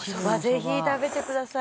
「ぜひ食べてください」